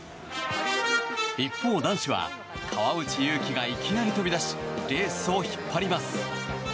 一方、男子は川内優輝がいきなり飛び出しレースを引っ張ります。